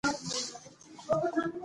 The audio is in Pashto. افغانستان له نورستان ډک دی.